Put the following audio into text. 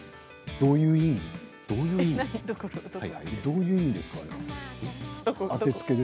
どういう意味ですか？